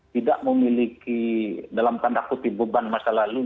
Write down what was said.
tidak memiliki dalam tanda kutip beban masa lalu